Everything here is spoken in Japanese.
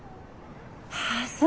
あそう。